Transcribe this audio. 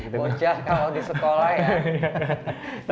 bocah kalau di sekolah ya